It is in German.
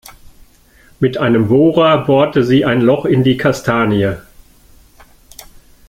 Mit einem Bohrer bohrte sie ein Loch in die Kastanie.